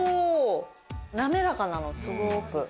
滑らかなのすごく。